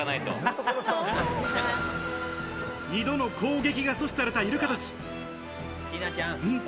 ２度の攻撃が阻止されたイルカたち。